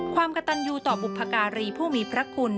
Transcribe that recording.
ความกระตันยูต่อบุพการีผู้มีพระคุณ